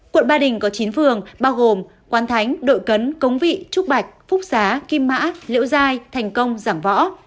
quận ba đình có chín phường bao gồm quán thánh đội cấn cống vị trúc bạch phúc xá kim mã liễu giai thành công giảng võ